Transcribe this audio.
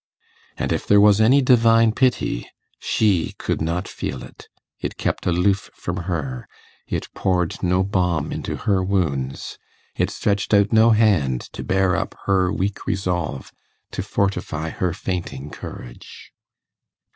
And if there was any Divine Pity, she could not feel it; it kept aloof from her, it poured no balm into her wounds, it stretched out no hand to bear up her weak resolve, to fortify her fainting courage.